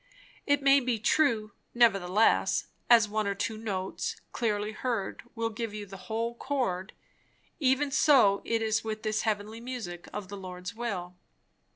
It may be true; nevertheless, as one or two notes, clearly heard, will give you the whole chord, even so it is with this heavenly music of the Lord's will.